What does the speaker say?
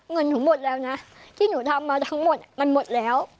เงินหนูหมดแล้วนะที่หนูทำมาทั้งหมดมันหมดแล้ว